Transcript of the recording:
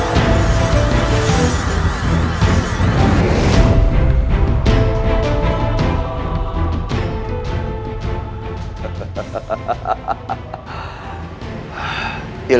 mas rasha tunggu